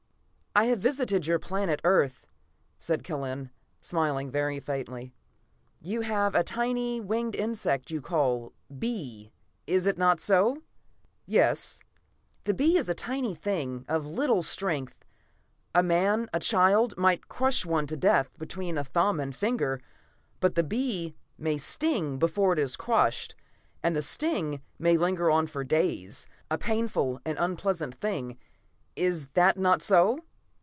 "I have visited your planet, Earth," said Kellen, smiling very faintly. "You have a tiny winged insect you call bee. Is it not so?" "Yes." "The bee is a tiny thing, of little strength. A man, a little child, might crush one to death between a thumb and finger. But the bee may sting before he is crushed, and the sting may linger on for days, a painful and unpleasant thing. Is that not so?"